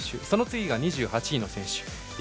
その次が２８位の選手。